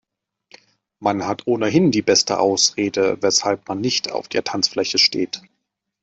Man hat ohnehin die beste Ausrede, weshalb man nicht auf der Tanzfläche steht.